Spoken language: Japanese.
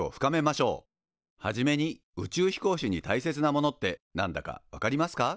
初めに宇宙飛行士にたいせつなものってなんだかわかりますか？